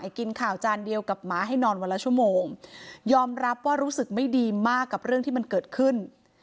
กินข่าวจานเดียวกับหมาให้นอนวันละชั่วโมงยอมรับว่ารู้สึกไม่ดีมากกับเรื่องที่มันเกิดขึ้น